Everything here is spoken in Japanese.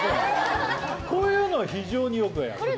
こういうの非常によくやる。